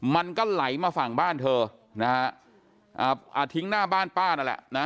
มันก็ไหลมาฝั่งบ้านเธอนะฮะอ่าทิ้งหน้าบ้านป้านั่นแหละนะ